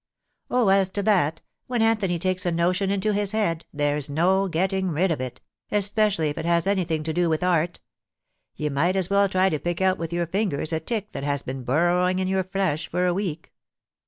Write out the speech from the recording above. * Oh, as to that, when Anthony takes a notion into his head, there's no getting rid of it, especially if it has anything to do with art. Ye might as well try to pick out with your *fingers a tick that has been burrowing in your flesh for a week.